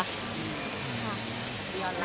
จียอนล่ะ